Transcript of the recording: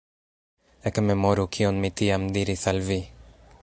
Ekmemoru, kion mi tiam diris al vi!